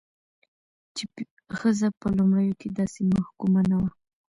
چې ښځه په لومړيو کې داسې محکومه نه وه،